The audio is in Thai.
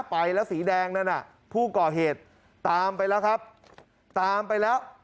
ไปแล้วสีแดงนั่นน่ะผู้ก่อเหตุตามไปแล้วครับตามไปแล้ว